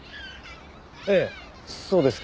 ええそうですけど。